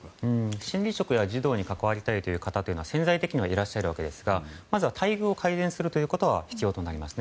心理職や児童に関わりたい方は潜在的にはいますがまずは待遇を改善することは必要となりますね。